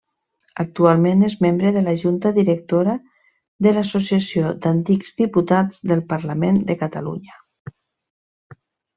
Actualment és membre de la junta directora de l'Associació d'Antics Diputats del Parlament de Catalunya.